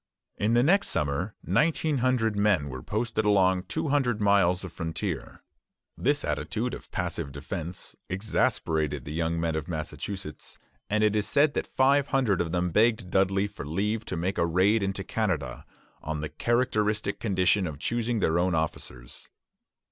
In the next summer nineteen hundred men were posted along two hundred miles of frontier. This attitude of passive defence exasperated the young men of Massachusetts, and it is said that five hundred of them begged Dudley for leave to make a raid into Canada, on the characteristic condition of choosing their own officers.